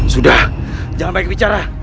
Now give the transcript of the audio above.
sudah jangan baik bicara